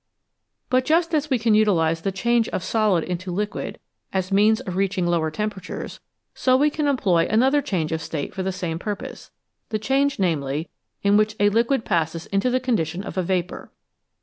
But 182 BELOW ZERO just as we can utilise the change of solid into liquid as a means of reaching lower temperatures, so we can employ another change of state for the same purpose the change, namely, in which a liquid passes into the condition of a vapour.